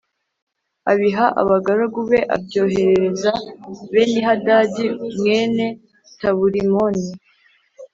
abiha abagaragu be abyoherereza Benihadadi mwene Taburimoni